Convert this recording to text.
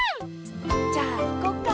じゃあいこっか？